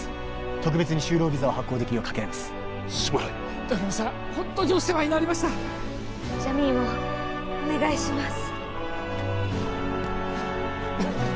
特別に就労ビザを発行できるよう掛け合いますすまないドラムさんホントにお世話になりましたジャミーンをお願いします